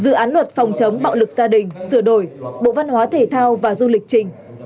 dự án luật phòng chống bạo lực gia đình sửa đổi bộ văn hóa thể thao và du lịch trình